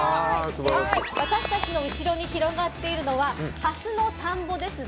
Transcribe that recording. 私たちの後ろに広がっているのはハスの田んぼですね。